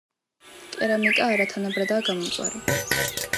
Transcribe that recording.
კერამიკა არათანაბრადაა გამომწვარი.